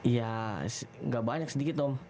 iya gak banyak sedikit om